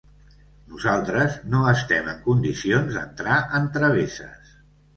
Nosaltres no estem en condicions d’entrar en travesses.